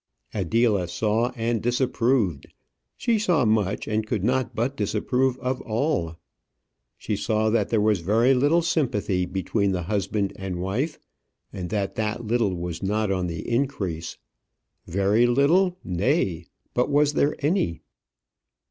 Adela saw and disapproved; she saw much and could not but disapprove of all. She saw that there was very little sympathy between the husband and wife, and that that little was not on the increase. Very little! nay, but was there any?